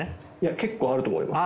結構あると思います。